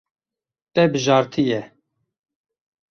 Te bijartiye.